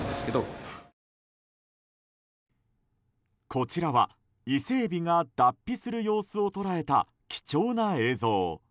こちらは、イセエビが脱皮する様子を捉えた貴重な映像。